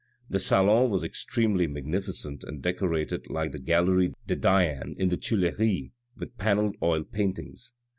The salon was extremely magnificent and decorated like the gallery de Diane in the Tuilleries with panelled oil paintings.